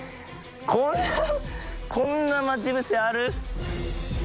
こんなこんな待ち伏せある？